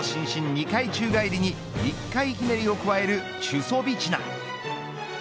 ２回宙返りに１回ひねりを加えるチュソビチナ。